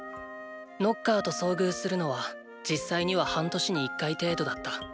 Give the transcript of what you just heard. ノッカーと遭遇するのは実際には半年に１回程度だった。